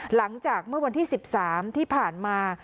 หลังจากเมื่อวันที่๑๓ที่ผ่านมา